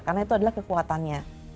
karena itu adalah kekuatannya